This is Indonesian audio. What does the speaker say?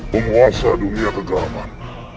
penguasa dunia kegelapan